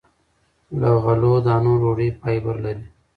له غلو- دانو ډوډۍ فایبر لري.